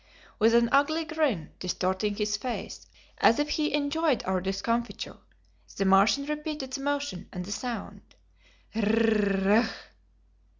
With an ugly grin distorting his face as if he enjoyed our discomfiture, the Martian repeated the motion and the sound.